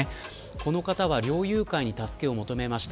この方は猟友会に助けを求めました。